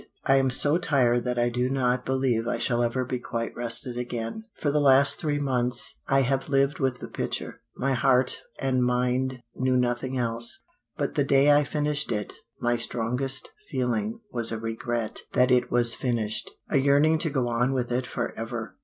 "I am so tired that I do not believe I shall ever be quite rested again. For the last three months I lived with the picture, my heart and mind knew nothing else. But the day I finished it my strongest feeling was a regret that it was finished, a yearning to go on with it forever.